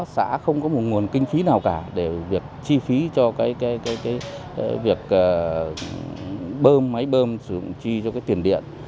xã không có một nguồn kinh phí nào cả để việc chi phí cho việc bơm máy bơm sử dụng chi cho cái tiền điện